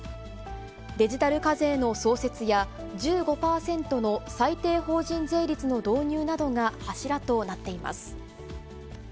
デジタル課税の創設や、１５％の最低法人税率の導入などが柱となっています。